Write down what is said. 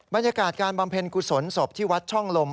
บรรยากาศการบำเพ็ญกุศลศพที่วัดช่องลม